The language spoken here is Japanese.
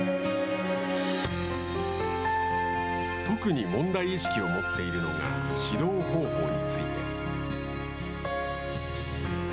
特に問題意識を持っているのが指導方法について。